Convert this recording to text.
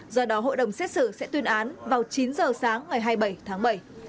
do đó hội đồng xét xử sẽ tuyên án vào chín giờ sáng ngày hai mươi bảy tháng bảy